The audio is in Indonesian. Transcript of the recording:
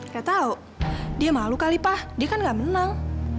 gak tau dia malu kali pak dia kan gak menang